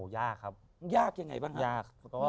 ยากยังไงบ้างครับ